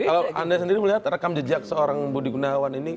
kalau anda sendiri melihat rekam jejak seorang budingunawan ini